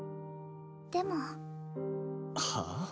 でもはあ？